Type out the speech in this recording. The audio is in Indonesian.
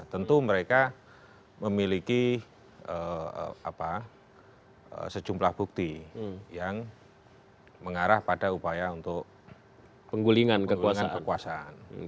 tentu mereka memiliki sejumlah bukti yang mengarah pada upaya untuk penggulingan keuangan kekuasaan